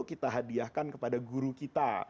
kita hadiahkan kepada guru kita